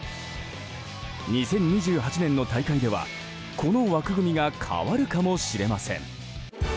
２０２８年の大会ではこの枠組みが変わるかもしれません。